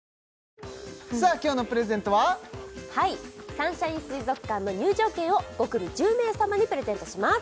サンシャイン水族館の入場券を５組１０名様にプレゼントします